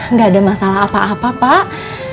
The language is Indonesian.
nggak ada masalah apa apa pak